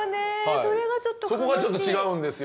そこがちょっと違うんですよ